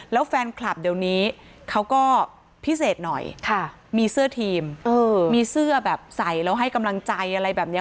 แล้วแฟนคลับเดี๋ยวนี้เขาก็พิเศษหน่อยมีเสื้อทีมมีเสื้อแบบใส่แล้วให้กำลังใจอะไรแบบนี้